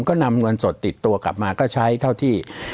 ก็นำเงินสดติดตัวกลับมาก็ใช้เท่าที่